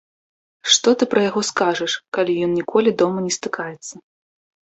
Што ты пра яго скажаш, калі ён ніколі дома не стыкаецца.